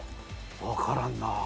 分からんなあ